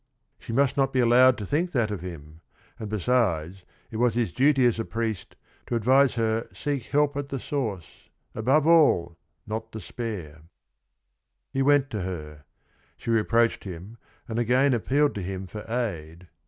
She must not be allowed to think that of him, and besides, it was his duty as a priest " to advise her seek help at the source, above all, not despair." He went to her : she reproached him and again appealed to him for aid.